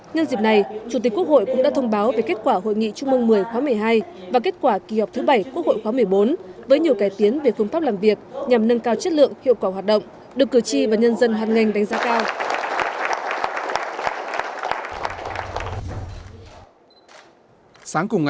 nhân dịp này chủ tịch quốc hội cũng đã thông báo về kết quả hội nghị trung mông một mươi khóa một mươi hai và kết quả kỳ họp thứ bảy quốc hội khóa một mươi bốn với nhiều cải tiến về phương pháp làm việc nhằm nâng cao chất lượng hiệu quả hoạt động được cử tri và nhân dân hoàn ngành đánh giá cao